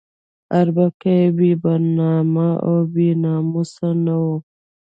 اربکی بې نامه او بې ناموسه نه وو.